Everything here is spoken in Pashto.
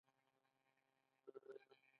زدهکوونکي دا باورونه بېخبري زده کوي.